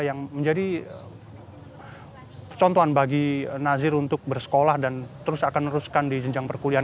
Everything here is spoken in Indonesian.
yang menjadi contohan bagi nazir untuk bersekolah dan terus akan meneruskan di jenjang perkulian